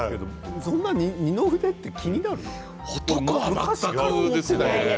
そんなに二の腕って気になるの？